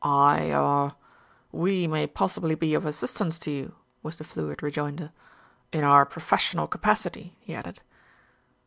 "I, er we may possibly be of assistance to you," was the fluid rejoinder. "In our professional capacity," he added.